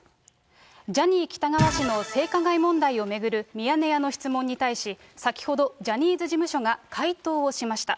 ジャニー喜多川氏の性加害問題を巡るミヤネ屋の質問に対し、先ほどジャニーズ事務所が回答をしました。